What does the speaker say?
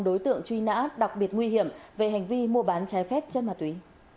đối tượng truy nã đặc biệt nguy hiểm về hành vi mua bán trái phép chất ma túy